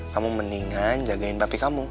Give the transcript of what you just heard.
kamu mendingan jagain bapi kamu